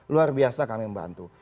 luar biasa kami membantu